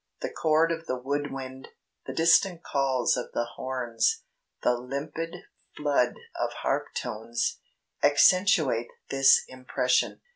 The chord of the wood wind, the distant calls of the horns, the limpid flood of harp tones, accentuate this impression.